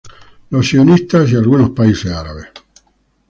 Israel y algunos países árabes.